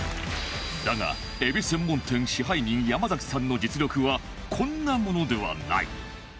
だがエビ専門店支配人山崎さんの実力はこんなものではない！